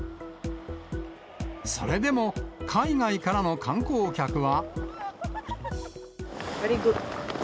それでも、海外からの観光客は。